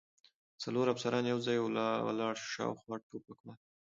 څلور افسران یو ځای ولاړ و، شاوخوا ټوپکوال.